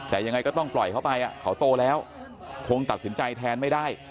แต่ยังไงก็ต้องปล่อยเขาไปเขาโตแล้วคงตัดสินใจแทนไม่ได้